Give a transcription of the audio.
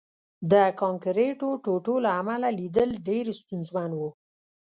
د کانکریټو ټوټو له امله لیدل ډېر ستونزمن وو